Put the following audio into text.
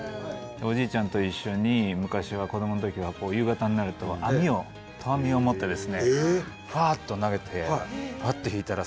おじいちゃんと一緒に昔は子どものときは夕方になると網を投網を持ってですねふわっと投げてええ！